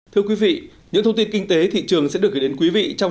thưa quý vị những thông tin kinh tế thị trường sẽ được gửi đến quý vị trong